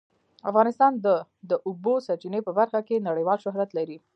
افغانستان د د اوبو سرچینې په برخه کې نړیوال شهرت لري.